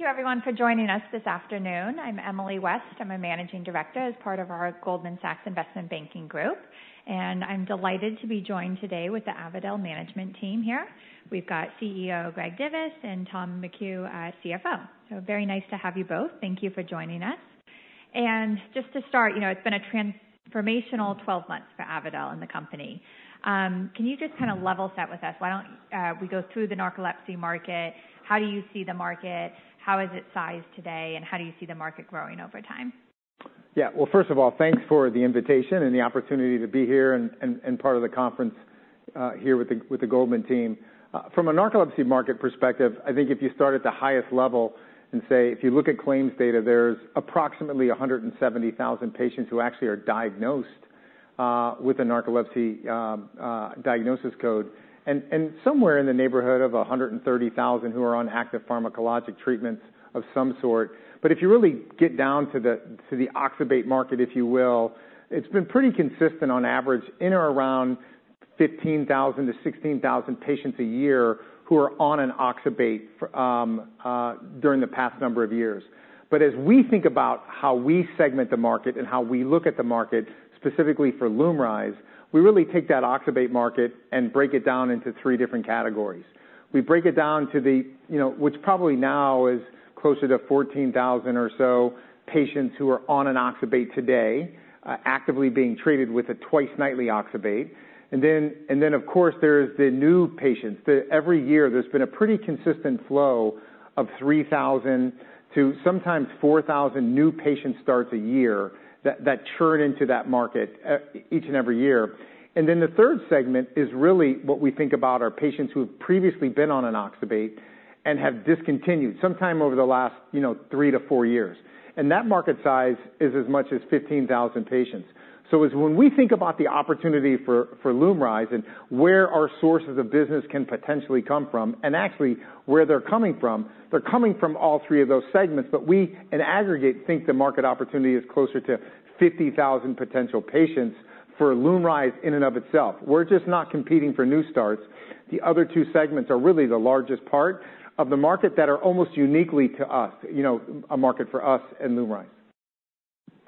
Thank you, everyone, for joining us this afternoon. I'm Emily West. I'm a managing director as part of our Goldman Sachs Investment Banking Group, and I'm delighted to be joined today with the Avadel management team here. We've got CEO Greg Divis and Thomas McHugh, CFO. So very nice to have you both. Thank you for joining us. Just to start, you know, it's been a transformational 12 months for Avadel and the company. Can you just kind of level set with us? Why don't we go through the narcolepsy market? How do you see the market? How is its size today? And how do you see the market growing over time? Yeah. Well, first of all, thanks for the invitation and the opportunity to be here and part of the conference here with the Goldman team. From a narcolepsy market perspective, I think if you start at the highest level and say, if you look at claims data, there's approximately 170,000 patients who actually are diagnosed with a narcolepsy diagnosis code and somewhere in the neighborhood of 130,000 who are on active pharmacologic treatments of some sort. But if you really get down to the oxybate market, if you will, it's been pretty consistent on average in or around 15,000-16,000 patients a year who are on an oxybate during the past number of years. But as we think about how we segment the market and how we look at the market, specifically for LUMRYZ, we really take that oxybate market and break it down into three different categories. We break it down to the, you know, which probably now is closer to 14,000 or so patients who are on an oxybate today, actively being treated with a twice nightly oxybate. And then, of course, there's the new patients. Every year, there's been a pretty consistent flow of 3,000 to sometimes 4,000 new patient starts a year that churn into that market each and every year. And then the third segment is really what we think about are patients who have previously been on an oxybate and have discontinued sometime over the last three to four years. And that market size is as much as 15,000 patients. So when we think about the opportunity for LUMRYZ and where our sources of business can potentially come from and actually where they're coming from, they're coming from all three of those segments. But we, in aggregate, think the market opportunity is closer to 50,000 potential patients for LUMRYZ in and of itself. We're just not competing for new starts. The other two segments are really the largest part of the market that are almost uniquely to us, you know, a market for us and LUMRYZ.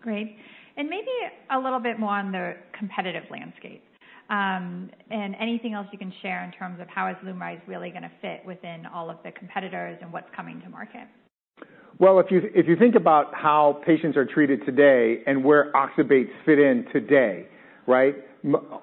Great. Maybe a little bit more on the competitive landscape and anything else you can share in terms of how is LUMRYZ really going to fit within all of the competitors and what's coming to market? Well, if you think about how patients are treated today and where oxybates fit in today, right,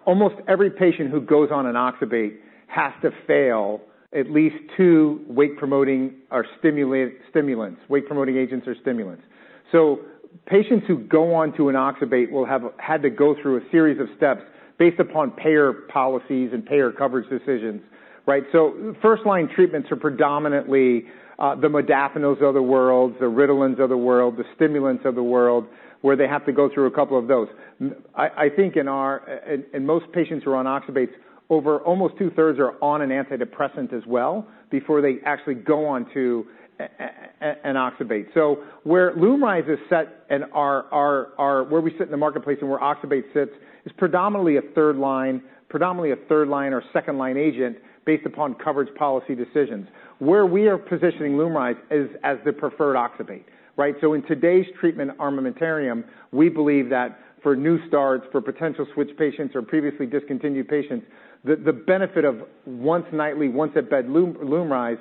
almost every patient who goes on an oxybate has to fail at least two wake-promoting or stimulants, wake-promoting agents or stimulants. So patients who go on to an oxybate will have had to go through a series of steps based upon payer policies and payer coverage decisions, right? So first-line treatments are predominantly the modafinils of the world, the Ritalin of the world, the stimulants of the world, where they have to go through a couple of those. I think in our and most patients who are on oxybates, over almost 2/3 are on an antidepressant as well before they actually go on to an oxybate. So where LUMRYZ is set and where we sit in the marketplace and where oxybate sits is predominantly a third-line, predominantly a third-line or second-line agent based upon coverage policy decisions. Where we are positioning LUMRYZ is as the preferred oxybate, right? So in today's treatment armamentarium, we believe that for new starts, for potential switch patients or previously discontinued patients, the benefit of once nightly, once at bed LUMRYZ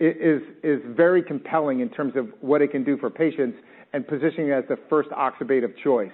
is very compelling in terms of what it can do for patients and positioning it as the first oxybate of choice.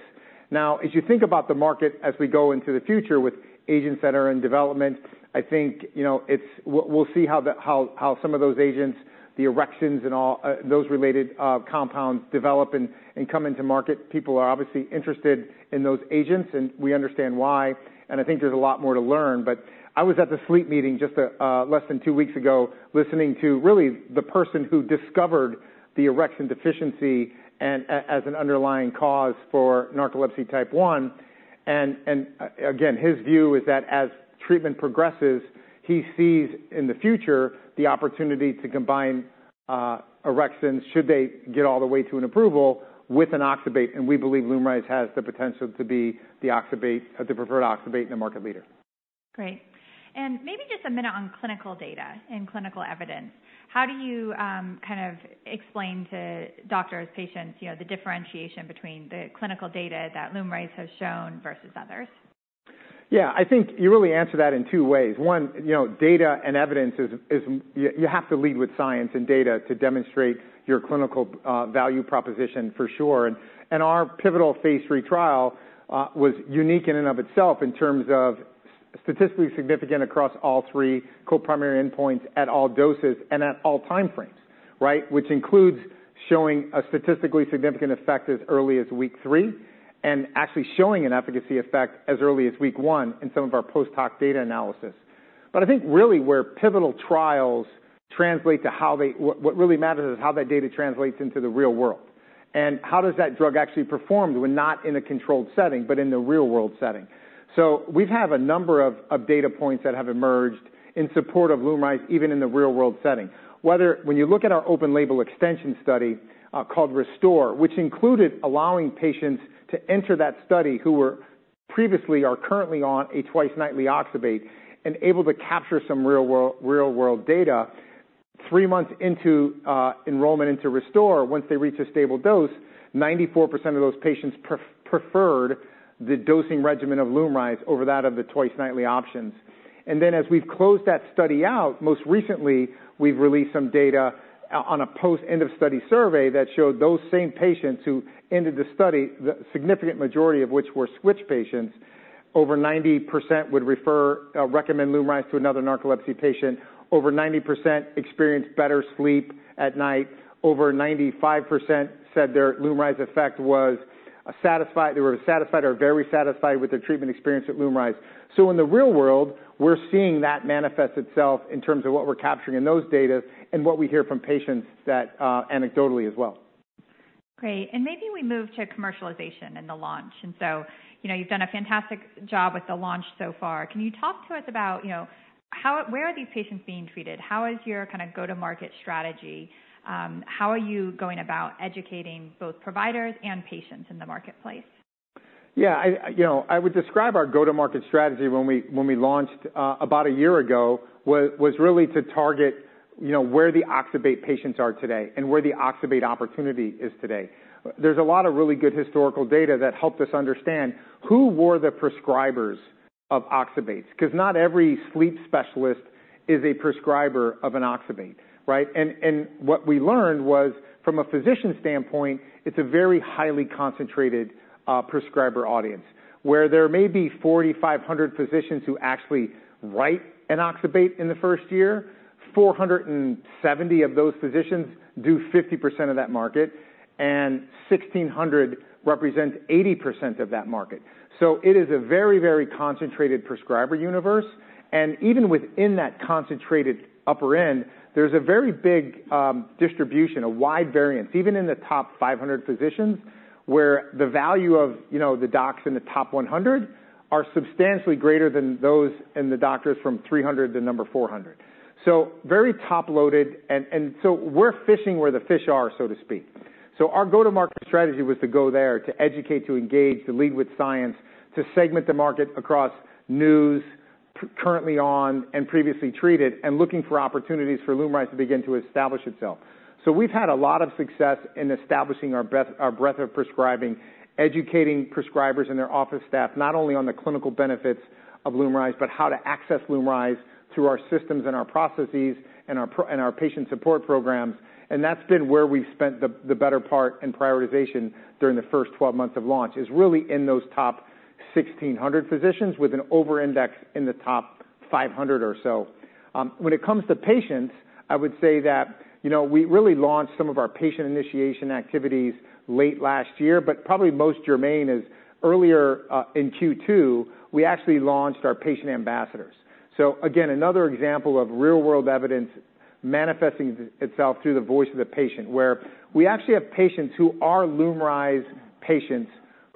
Now, as you think about the market as we go into the future with agents that are in development, I think, you know, it's we'll see how some of those agents, the orexins and all those related compounds develop and come into market. People are obviously interested in those agents, and we understand why. I think there's a lot more to learn. But I was at the SLEEP meeting just less than two weeks ago listening to really the person who discovered the orexin deficiency as an underlying cause for narcolepsy type 1. Again, his view is that as treatment progresses, he sees in the future the opportunity to combine orexins should they get all the way to an approval with an oxybate. We believe LUMRYZ has the potential to be the oxybate, the preferred oxybate and the market leader. Great. And maybe just a minute on clinical data and clinical evidence. How do you kind of explain to doctors, patients, you know, the differentiation between the clinical data that LUMRYZ has shown versus others? Yeah. I think you really answer that in two ways. One, you know, data and evidence is you have to lead with science and data to demonstrate your clinical value proposition for sure. And our pivotal phase III trial was unique in and of itself in terms of statistically significant across all three co-primary endpoints at all doses and at all time frames, right, which includes showing a statistically significant effect as early as week three and actually showing an efficacy effect as early as week one in some of our post-hoc data analysis. But I think really where pivotal trials translate to how they what really matters is how that data translates into the real world and how does that drug actually perform when not in a controlled setting, but in the real-world setting. So we have a number of data points that have emerged in support of LUMRYZ even in the real-world setting. Whether when you look at our open label extension study called RESTORE, which included allowing patients to enter that study who were previously or currently on a twice nightly oxybate and able to capture some real-world data three months into enrollment into RESTORE, once they reach a stable dose, 94% of those patients preferred the dosing regimen of LUMRYZ over that of the twice nightly options. And then as we've closed that study out, most recently, we've released some data on a post-end-of-study survey that showed those same patients who ended the study, the significant majority of which were switch patients, over 90% would refer or recommend LUMRYZ to another narcolepsy patient. Over 90% experienced better sleep at night. Over 95% said their LUMRYZ effect was satisfied. They were satisfied or very satisfied with their treatment experience at LUMRYZ. So in the real world, we're seeing that manifest itself in terms of what we're capturing in those data and what we hear from patients that anecdotally as well. Great. Maybe we move to commercialization and the launch. So, you know, you've done a fantastic job with the launch so far. Can you talk to us about, you know, how, where are these patients being treated? How is your kind of go-to-market strategy? How are you going about educating both providers and patients in the marketplace? Yeah. You know, I would describe our go-to-market strategy when we launched about a year ago was really to target, you know, where the oxybate patients are today and where the oxybate opportunity is today. There's a lot of really good historical data that helped us understand who were the prescribers of oxybates because not every sleep specialist is a prescriber of an oxybate, right? What we learned was from a physician standpoint, it's a very highly concentrated prescriber audience where there may be 4,500 physicians who actually write an oxybate in the first year. 470 of those physicians do 50% of that market, and 1,600 represent 80% of that market. So it is a very, very concentrated prescriber universe. And even within that concentrated upper end, there's a very big distribution, a wide variance, even in the top 500 physicians where the value of, you know, the docs in the top 100 are substantially greater than those in the doctors from 300-400. So very top-loaded. And so we're fishing where the fish are, so to speak. So our go-to-market strategy was to go there to educate, to engage, to lead with science, to segment the market across news, currently on and previously treated, and looking for opportunities for LUMRYZ to begin to establish itself. So we've had a lot of success in establishing our breadth of prescribing, educating prescribers and their office staff not only on the clinical benefits of LUMRYZ, but how to access LUMRYZ through our systems and our processes and our patient support programs. That's been where we've spent the better part in prioritization during the first 12 months of launch is really in those top 1,600 physicians with an over-index in the top 500 or so. When it comes to patients, I would say that, you know, we really launched some of our patient initiation activities late last year, but probably most germane is earlier in Q2, we actually launched our patient ambassadors. So again, another example of real-world evidence manifesting itself through the voice of the patient where we actually have patients who are LUMRYZ patients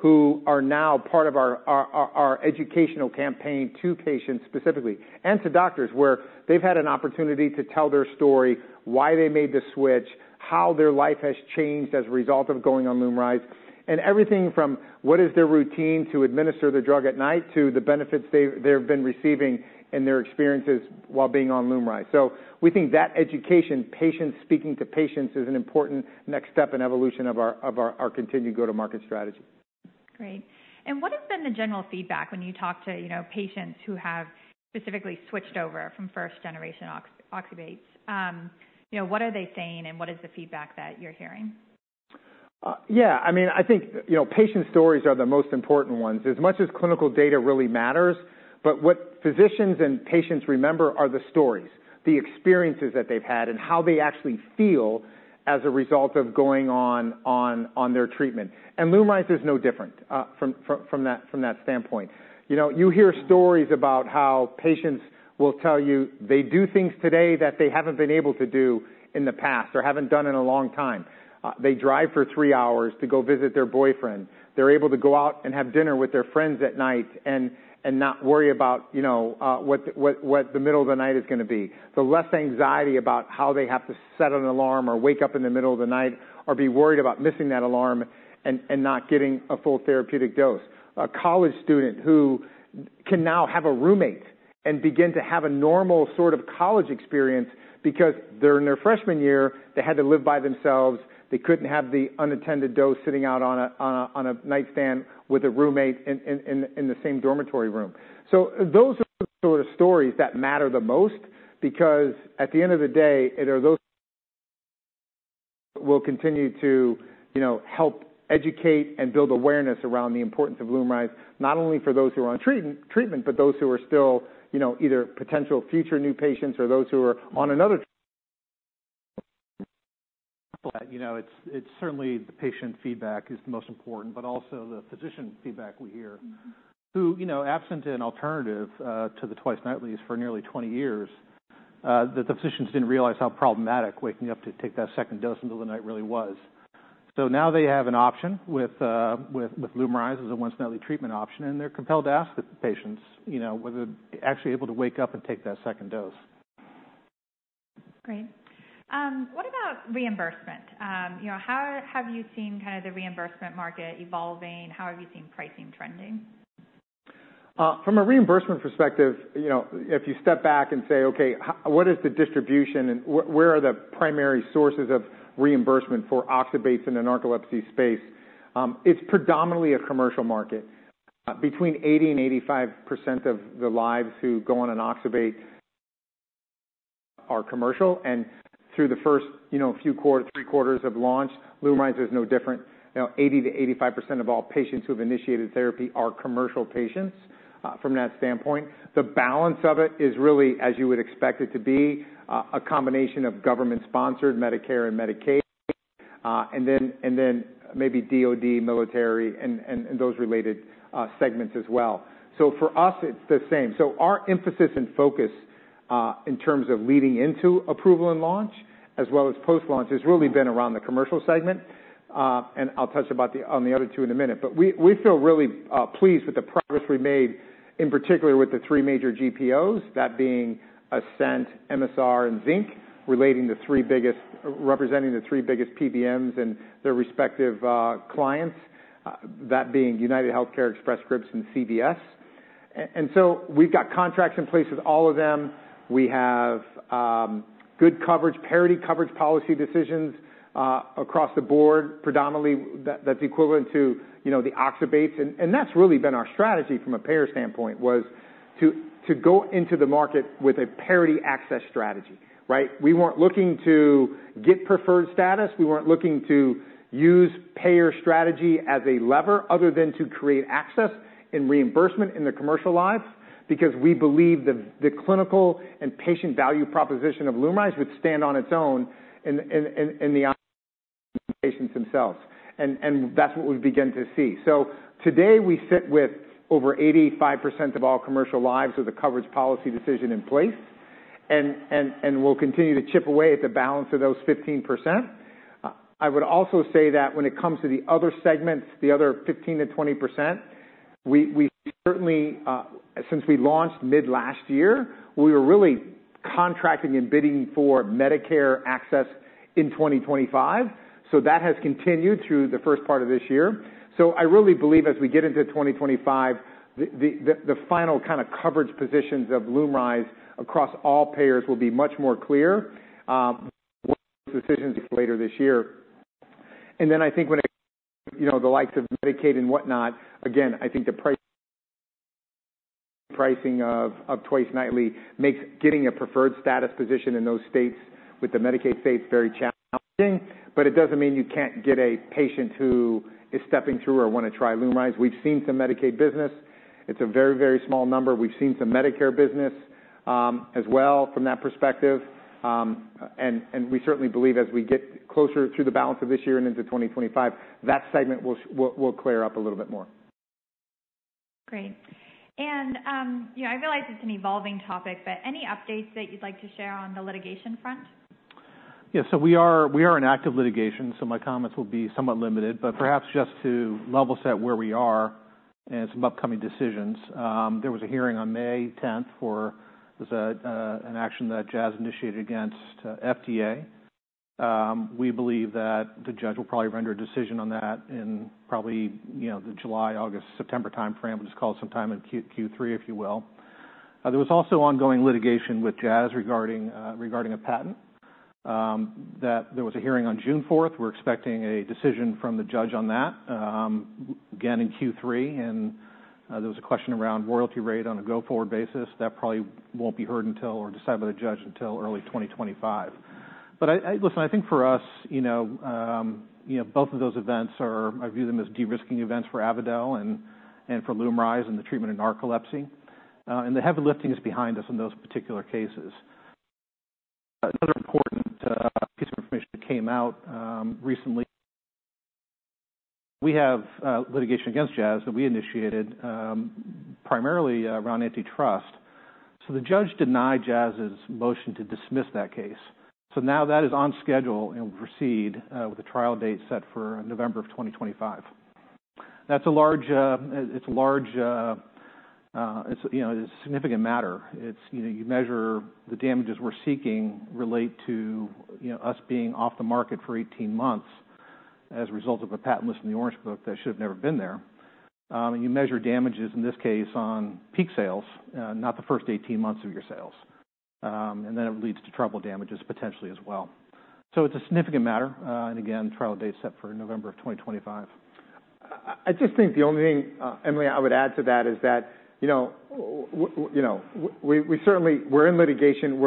who are now part of our educational campaign to patients specifically and to doctors where they've had an opportunity to tell their story, why they made the switch, how their life has changed as a result of going on LUMRYZ, and everything from what is their routine to administer the drug at night to the benefits they've been receiving and their experiences while being on LUMRYZ. So we think that education, patients speaking to patients is an important next step in evolution of our continued go-to-market strategy. Great. And what has been the general feedback when you talk to, you know, patients who have specifically switched over from first-generation oxybates? You know, what are they saying and what is the feedback that you're hearing? Yeah. I mean, I think, you know, patient stories are the most important ones as much as clinical data really matters. But what physicians and patients remember are the stories, the experiences that they've had and how they actually feel as a result of going on their treatment. And LUMRYZ is no different from that standpoint. You know, you hear stories about how patients will tell you they do things today that they haven't been able to do in the past or haven't done in a long time. They drive for three hours to go visit their boyfriend. They're able to go out and have dinner with their friends at night and not worry about, you know, what the middle of the night is going to be. The less anxiety about how they have to set an alarm or wake up in the middle of the night or be worried about missing that alarm and not getting a full therapeutic dose. A college student who can now have a roommate and begin to have a normal sort of college experience because they're in their freshman year, they had to live by themselves, they couldn't have the unattended dose sitting out on a nightstand with a roommate in the same dormitory room. So those are the sort of stories that matter the most because at the end of the day, it are those who will continue to, you know, help educate and build awareness around the importance of LUMRYZ, not only for those who are on treatment, but those who are still, you know, either potential future new patients or those who are on another treatment. You know, it's certainly the patient feedback is the most important, but also the physician feedback we hear who, you know, absent an alternative to the twice nightly for nearly 20 years, that the physicians didn't realize how problematic waking up to take that second dose into the night really was. So now they have an option with LUMRYZ as a once nightly treatment option, and they're compelled to ask the patients, you know, whether they're actually able to wake up and take that second dose. Great. What about reimbursement? You know, how have you seen kind of the reimbursement market evolving? How have you seen pricing trending? From a reimbursement perspective, you know, if you step back and say, okay, what is the distribution and where are the primary sources of reimbursement for oxybates in the narcolepsy space? It's predominantly a commercial market. Between 80% and 85% of the lives who go on an oxybate are commercial. And through the first, you know, few quarters, three quarters of launch, LUMRYZ is no different. You know, 80%-85% of all patients who have initiated therapy are commercial patients from that standpoint. The balance of it is really, as you would expect it to be, a combination of government-sponsored Medicare and Medicaid, and then maybe DOD, military, and those related segments as well. So for us, it's the same. So our emphasis and focus in terms of leading into approval and launch as well as post-launch has really been around the commercial segment. I'll touch on the other two in a minute. But we feel really pleased with the progress we made, in particular with the three major GPOs, that being Ascent, Emisar, and Zinc, relating the three biggest representing the three biggest PBMs and their respective clients, that being UnitedHealthcare, Express Scripts, and CVS. And so we've got contracts in place with all of them. We have good coverage, parity coverage policy decisions across the board. Predominantly, that's equivalent to, you know, the oxybates. And that's really been our strategy from a payer standpoint was to go into the market with a parity access strategy, right? We weren't looking to get preferred status. We weren't looking to use payer strategy as a lever other than to create access and reimbursement in the commercial lives because we believe the clinical and patient value proposition of LUMRYZ would stand on its own in the patients themselves. And that's what we began to see. So today we sit with over 85% of all commercial lives with a coverage policy decision in place. And we'll continue to chip away at the balance of those 15%. I would also say that when it comes to the other segments, the other 15%-20%, we certainly, since we launched mid last year, we were really contracting and bidding for Medicare access in 2025. So that has continued through the first part of this year. So I really believe as we get into 2025, the final kind of coverage positions of LUMRYZ across all payers will be much more clear. Decisions later this year. And then I think when it comes to, you know, the likes of Medicaid and whatnot, again, I think the pricing of twice nightly makes getting a preferred status position in those states with the Medicaid states very challenging. But it doesn't mean you can't get a patient who is stepping through or want to try LUMRYZ. We've seen some Medicaid business. It's a very, very small number. We've seen some Medicare business as well from that perspective. And we certainly believe as we get closer to the balance of this year and into 2025, that segment will clear up a little bit more. Great. And, you know, I realize it's an evolving topic, but any updates that you'd like to share on the litigation front? Yeah. So we are in active litigation. So my comments will be somewhat limited, but perhaps just to level set where we are and some upcoming decisions. There was a hearing on May 10th for an action that Jazz initiated against FDA. We believe that the judge will probably render a decision on that in probably, you know, the July, August, September timeframe. We'll just call it sometime in Q3, if you will. There was also ongoing litigation with Jazz regarding a patent. There was a hearing on June 4th. We're expecting a decision from the judge on that again in Q3. And there was a question around royalty rate on a go-forward basis that probably won't be heard until or decided by the judge until early 2025. But listen, I think for us, you know, both of those events are, I view them as de-risking events for Avadel and for LUMRYZ and the treatment in narcolepsy. And the heavy lifting is behind us in those particular cases. Another important piece of information that came out recently, we have litigation against Jazz that we initiated primarily around antitrust. So the judge denied Jazz's motion to dismiss that case. So now that is on schedule and will proceed with a trial date set for November of 2025. That's a large, it's a large, it's, you know, it's a significant matter. It's, you know, you measure the damages we're seeking relate to, you know, us being off the market for 18 months as a result of a patent list in the Orange Book that should have never been there. You measure damages in this case on peak sales, not the first 18 months of your sales. Then it leads to treble damages potentially as well. So it's a significant matter. Again, trial date set for November of 2025. I just think the only thing, Emily, I would add to that is that, you know, you know, we certainly, we're in litigation.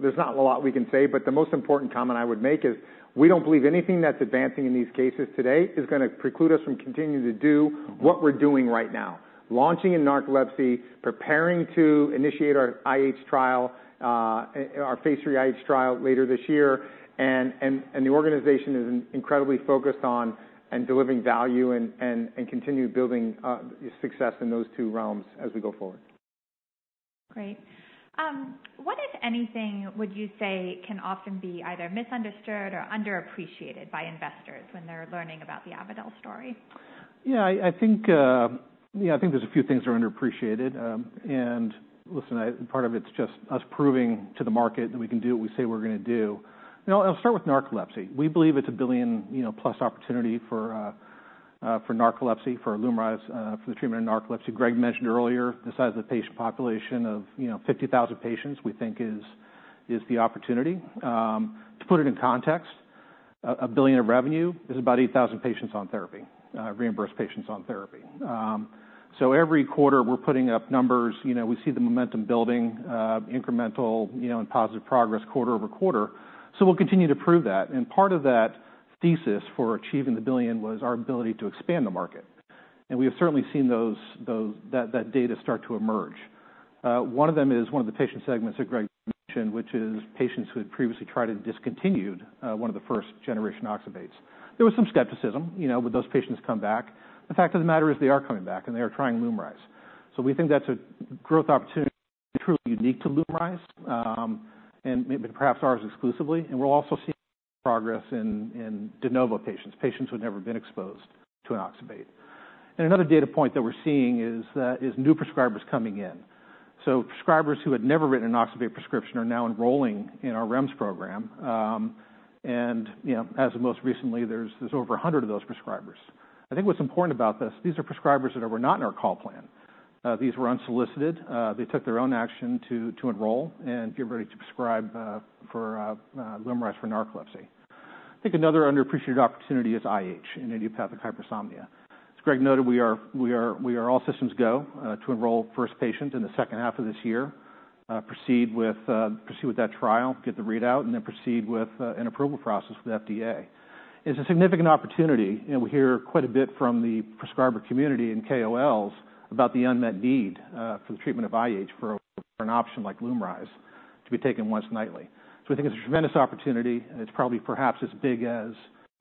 There's not a lot we can say, but the most important comment I would make is we don't believe anything that's advancing in these cases today is going to preclude us from continuing to do what we're doing right now, launching in narcolepsy, preparing to initiate our IH trial, our phase III IH trial later this year. The organization is incredibly focused on delivering value and continuing building success in those two realms as we go forward. Great. What, if anything, would you say can often be either misunderstood or underappreciated by investors when they're learning about the Avadel story? Yeah. I think, you know, I think there's a few things that are underappreciated. And listen, part of it's just us proving to the market that we can do what we say we're going to do. And I'll start with narcolepsy. We believe it's a $1+ billion opportunity for narcolepsy, for LUMRYZ, for the treatment of narcolepsy. Greg mentioned earlier the size of the patient population of, you know, 50,000 patients we think is the opportunity. To put it in context, a $1 billion of revenue is about 8,000 patients on therapy, reimbursed patients on therapy. So every quarter we're putting up numbers, you know, we see the momentum building, incremental, you know, and positive progress quarter-over-quarter. So we'll continue to prove that. And part of that thesis for achieving the $1 billion was our ability to expand the market. And we have certainly seen that data start to emerge. One of them is one of the patient segments that Greg mentioned, which is patients who had previously tried and discontinued one of the first-generation oxybates. There was some skepticism, you know, would those patients come back? The fact of the matter is they are coming back and they are trying LUMRYZ. So we think that's a growth opportunity truly unique to LUMRYZ and maybe perhaps ours exclusively. And we'll also see progress in de novo patients, patients who had never been exposed to an oxybate. And another data point that we're seeing is new prescribers coming in. So prescribers who had never written an oxybate prescription are now enrolling in our REMS program. And, you know, as of most recently, there's over 100 of those prescribers. I think what's important about this, these are prescribers that were not in our call plan. These were unsolicited. They took their own action to enroll and get ready to prescribe LUMRYZ for narcolepsy. I think another underappreciated opportunity is IH, in idiopathic hypersomnia. As Greg noted, we are all systems go to enroll first patients in the second half of this year, proceed with that trial, get the readout, and then proceed with an approval process with FDA. It's a significant opportunity. And we hear quite a bit from the prescriber community and KOLs about the unmet need for the treatment of IH for an option like LUMRYZ to be taken once nightly. So we think it's a tremendous opportunity. It's probably perhaps as big as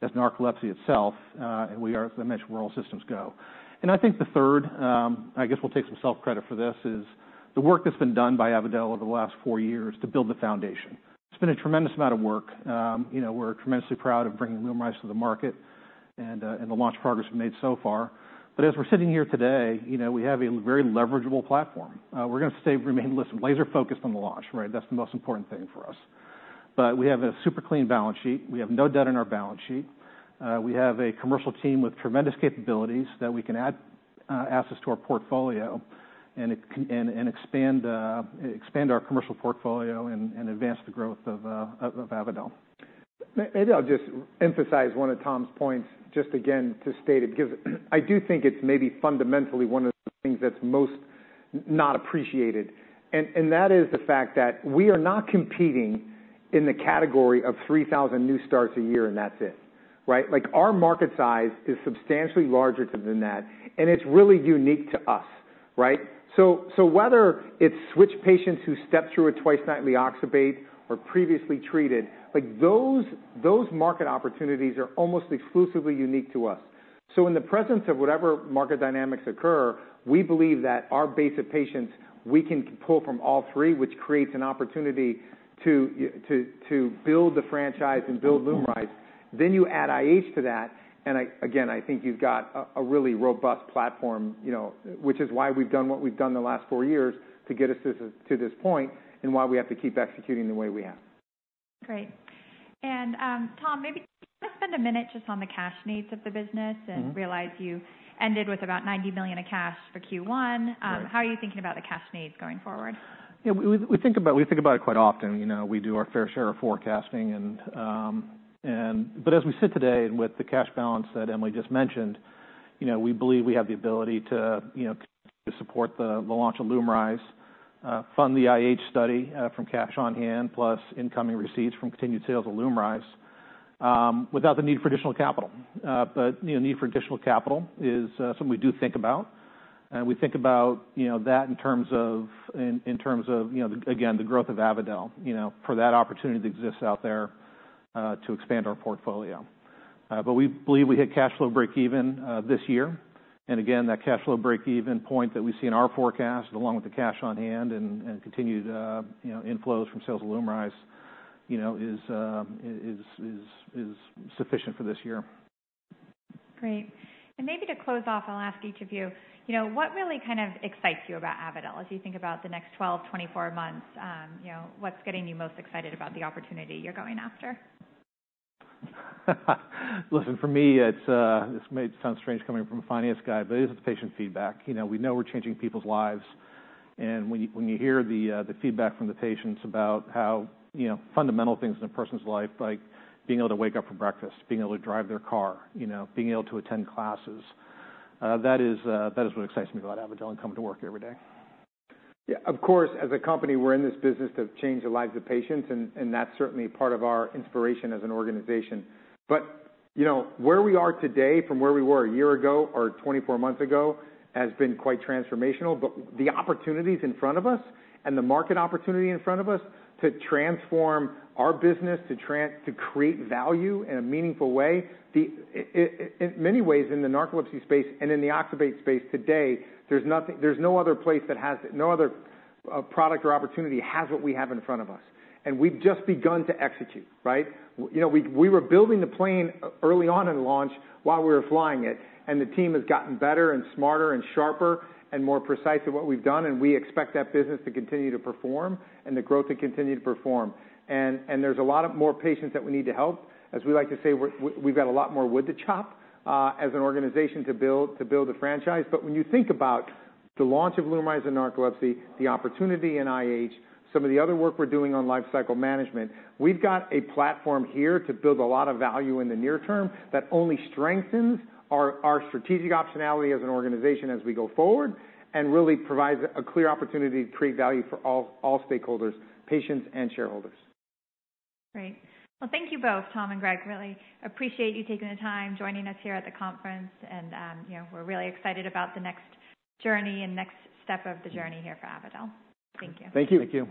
narcolepsy itself. And we are, as I mentioned, we're all systems go. I think the third, I guess we'll take some self-credit for this, is the work that's been done by Avadel over the last four years to build the foundation. It's been a tremendous amount of work. You know, we're tremendously proud of bringing LUMRYZ to the market and the launch progress we've made so far. But as we're sitting here today, you know, we have a very leverageable platform. We're going to stay, remain laser-focused on the launch, right? That's the most important thing for us. We have a super clean balance sheet. We have no debt in our balance sheet. We have a commercial team with tremendous capabilities that we can add assets to our portfolio and expand our commercial portfolio and advance the growth of Avadel. Maybe I'll just emphasize one of Tom's points just again to state it because I do think it's maybe fundamentally one of the things that's most not appreciated. And that is the fact that we are not competing in the category of 3,000 new starts a year and that's it, right? Like our market size is substantially larger than that. And it's really unique to us, right? So whether it's switch patients who stepped through a twice nightly oxybate or previously treated, like those market opportunities are almost exclusively unique to us. So in the presence of whatever market dynamics occur, we believe that our base of patients we can pull from all three, which creates an opportunity to build the franchise and build LUMRYZ. Then you add IH to that. Again, I think you've got a really robust platform, you know, which is why we've done what we've done the last four years to get us to this point and why we have to keep executing the way we have. Great. And Tom, maybe you want to spend a minute just on the cash needs of the business and realize you ended with about $90 million of cash for Q1. How are you thinking about the cash needs going forward? Yeah. We think about it quite often. You know, we do our fair share of forecasting. And but as we sit today and with the cash balance that Emily just mentioned, you know, we believe we have the ability to, you know, support the launch of LUMRYZ, fund the IH study from cash on hand, plus incoming receipts from continued sales of LUMRYZ without the need for additional capital. But, you know, need for additional capital is something we do think about. And we think about, you know, that in terms of, in terms of, you know, again, the growth of Avadel, you know, for that opportunity that exists out there to expand our portfolio. But we believe we hit cash flow break-even this year. Again, that cash flow break-even point that we see in our forecast, along with the cash on hand and continued inflows from sales of LUMRYZ, you know, is sufficient for this year. Great. And maybe to close off, I'll ask each of you, you know, what really kind of excites you about Avadel as you think about the next 12, 24 months? You know, what's getting you most excited about the opportunity you're going after? Listen, for me, it may sound strange coming from a finance guy, but it is the patient feedback. You know, we know we're changing people's lives. And when you hear the feedback from the patients about how, you know, fundamental things in a person's life, like being able to wake up for breakfast, being able to drive their car, you know, being able to attend classes, that is what excites me about Avadel and coming to work every day. Yeah. Of course, as a company, we're in this business to change the lives of patients. And that's certainly part of our inspiration as an organization. But, you know, where we are today from where we were a year ago or 24 months ago has been quite transformational. But the opportunities in front of us and the market opportunity in front of us to transform our business, to create value in a meaningful way, in many ways in the narcolepsy space and in the oxybate space today, there's no other place that has no other product or opportunity has what we have in front of us. And we've just begun to execute, right? You know, we were building the plane early on in launch while we were flying it. And the team has gotten better and smarter and sharper and more precise at what we've done. We expect that business to continue to perform and the growth to continue to perform. And there's a lot more patients that we need to help. As we like to say, we've got a lot more wood to chop as an organization to build a franchise. But when you think about the launch of LUMRYZ and narcolepsy, the opportunity in IH, some of the other work we're doing on lifecycle management, we've got a platform here to build a lot of value in the near term that only strengthens our strategic optionality as an organization as we go forward and really provides a clear opportunity to create value for all stakeholders, patients and shareholders. Great. Well, thank you both, Tom and Greg. Really appreciate you taking the time joining us here at the conference. And, you know, we're really excited about the next journey and next step of the journey here for Avadel. Thank you. Thank you. Thank you.